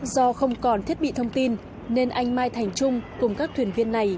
do không còn thiết bị thông tin nên anh mai thành trung cùng các thuyền viên này